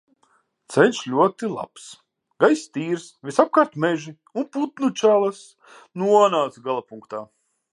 Ceļš ļoti labs, gaiss tīrs, visapkārt meži un putnu čalas. Nonācu galapunktā.